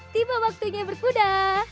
tiba waktunya berkuda